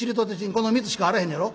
この３つしかあらへんねやろ？」。